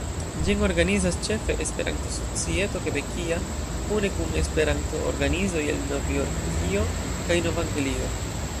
Ĝin organizas ĉefe Esperanto-societo kebekia, kune kun esperanto-organizoj el Novjorkio kaj Nov-Anglio.